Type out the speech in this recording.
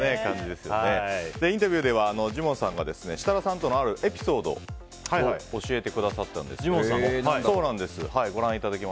インタビューではジモンさんが設楽さんとのあるエピソードを教えてくださったんです。